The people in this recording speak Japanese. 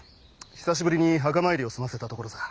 久しぶりに墓参りを済ませたところさ。